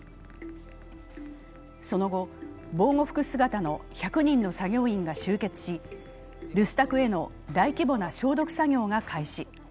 その後、防護服姿の１００人の作業員が集結し、留守宅への大規模な消毒作業が開始。